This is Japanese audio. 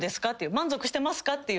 満足してますかっていうのを。